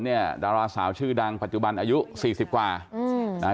เนี่ยดาราสาวชื่อดังปัจจุบันอายุสี่สิบกว่าอืม